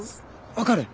分かる？